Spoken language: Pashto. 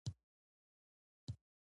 خر خوله وهله.